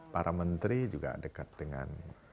para menteri juga dekat dengan